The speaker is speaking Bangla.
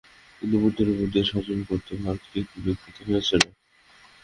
কিন্তু বুদ্ধের উপদেশ হজম করতে ভারতকে একটু বেগ পেতে হয়েছিল।